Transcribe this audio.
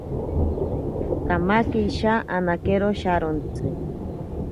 Kamake isha anakero sharontsi.